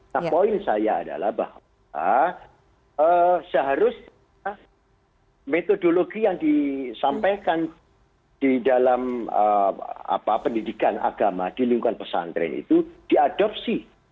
nah poin saya adalah bahwa seharusnya metodologi yang disampaikan di dalam pendidikan agama di lingkungan pesantren itu diadopsi